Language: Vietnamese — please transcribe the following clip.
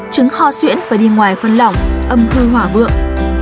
đừng hò xuyễn và đi ngoài phân lỏng âm hư hỏa vượng